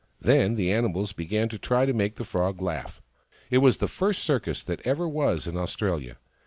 Then the animals began to try to make the Frog laugh. It was the first circus that ever was in Australia.